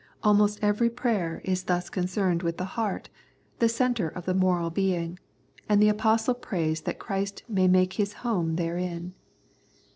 Almost every prayer is 117 The Prayers of St. Paul thus concerned with the " heart," the centre of the moral being, and the Apostle prays that Christ may make His home therein.